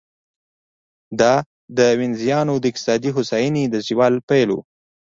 دا د وینزیانو د اقتصادي هوساینې د زوال پیل و